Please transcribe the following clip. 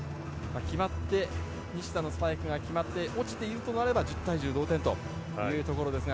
西田のスパイクが決まって落ちているとなれば１０対１０の同点というところですが。